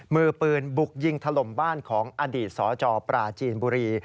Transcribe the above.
มือปืนบุกยิงถล่มบ้านของอดีตสจปราจีนบุรี